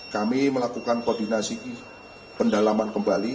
kami melakukan koordinasi pendalaman kembali